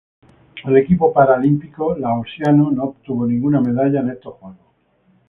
El equipo paralímpico laosiano no obtuvo ninguna medalla en estos Juegos.